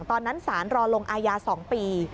ตอนนั้นสารรอลงอายา๒ปี